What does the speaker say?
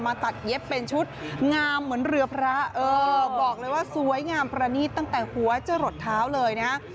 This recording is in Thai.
ตัดเย็บเป็นชุดงามเหมือนเรือพระเออบอกเลยว่าสวยงามประนีตตั้งแต่หัวจะหลดเท้าเลยนะฮะ